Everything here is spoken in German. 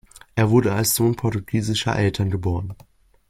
Er wurde als Sohn portugiesischer Eltern geboren.